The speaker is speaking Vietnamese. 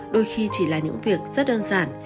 đôi khi chỉ là những việc rất đơn giản